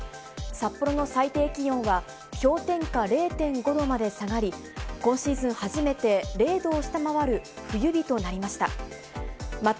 札幌の最低気温は氷点下０．５度まで下がり、今シーズン初めて０度を下回る冬日となりました。